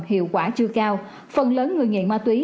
hiệu quả chưa cao phần lớn người nghiện ma túy